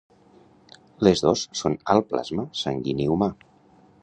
Les dos són al plasma sanguini humà.